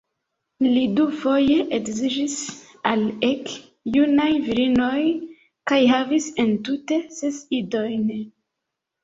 Li dufoje edziĝis al ege junaj virinoj kaj havis entute ses idojn.